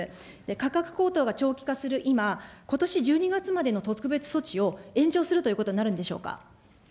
価格高騰が長期化する今、ことし１２月までの特別措置を延長するということになるんでしょうか。